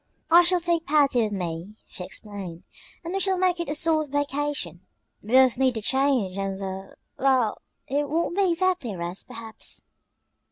"I shall take Patty with me," she explained, "and we shall make it a sort of vacation. We both need the change and the well, it won't be exactly a rest, perhaps."